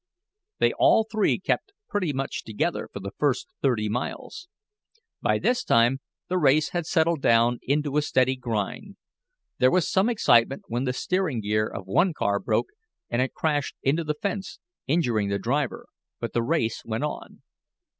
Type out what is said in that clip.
They all three kept pretty much together for the first thirty miles. By this time the race had settled down into a steady grind. There was some excitement when the steering gear of one car broke, and it crashed into the fence, injuring the driver, but the race went on.